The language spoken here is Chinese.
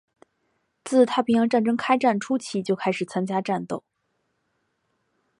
自太平洋战争开战初期就开始参加战斗。